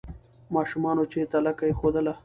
ماشومانو چي تلکه ایښودله